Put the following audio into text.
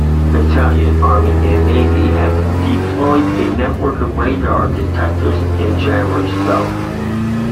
Italian Army and Navy have deployed a network of radar detectors and jammers though.